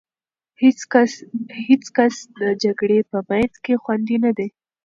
هېڅ کس د جګړې په منځ کې خوندي نه دی.